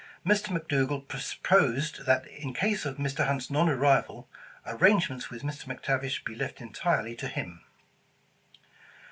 Mr. McDougal proposed that in case of Mr. Hunt's non arrival, arrangements with Mr. McTavish be left entirely to him.